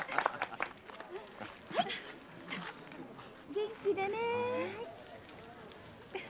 元気でね。